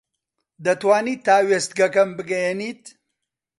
دەتوانیت تا وێستگەکەم بگەیەنیت؟